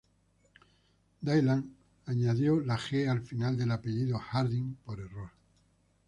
Dylan añadió la ge al final del apellido Hardin por error.